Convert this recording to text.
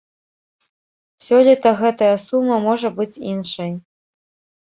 Сёлета гэтая сума можа быць іншай.